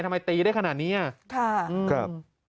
ทำไมตีได้ขนาดนี้อ่ะค่ะครับ